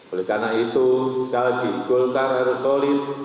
oleh karena itu sekali lagi golkar harus solid